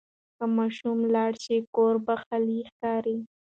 که ماشوم لاړ شي، کور به خالي ښکاري.